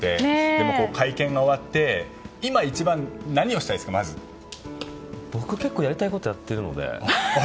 でも会見が終わって今、一番僕、結構やりたいことをやってるので。